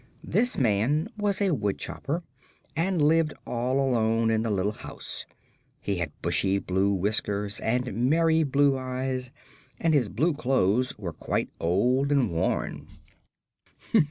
This man was a woodchopper and lived all alone in the little house. He had bushy blue whiskers and merry blue eyes and his blue clothes were quite old and worn.